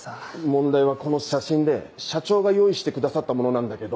問題はこの写真で社長が用意してくださったものなんだけど。